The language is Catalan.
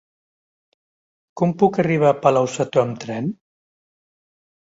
Com puc arribar a Palau-sator amb tren?